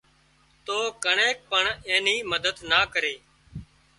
تو ڪڻين پڻ اين مدد نا ڪرِي